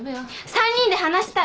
３人で話したい！